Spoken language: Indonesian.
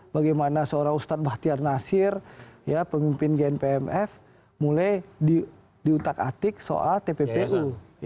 bagaimana seorang ustadz bahtiar nasir pemimpin gnpmf mulai diutak atik soal tppu